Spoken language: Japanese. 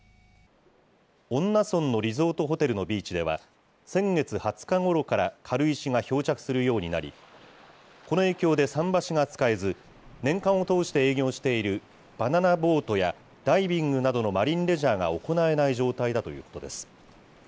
恩納村のリゾートホテルのビーチでは、先月２０日ごろから軽石が漂着するようになり、この影響で桟橋が使えず、年間を通して営業しているバナナボートやダイビングなどのマリンレジャーが行えない状態だということです。